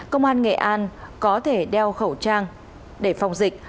công an nghệ an có thể đeo khẩu trang để phòng dịch